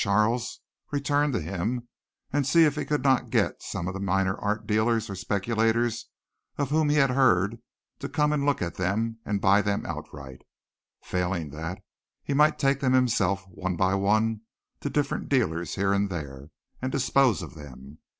Charles returned to him, and see if he could not get some of the minor art dealers or speculators of whom he had heard to come and look at them and buy them outright. Failing that, he might take them himself, one by one, to different dealers here and there and dispose of them.